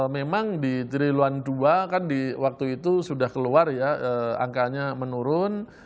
memang di trilon dua kan di waktu itu sudah keluar ya angkanya menurun